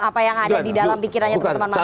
apa yang ada di dalam pikirannya teman teman mahasiswa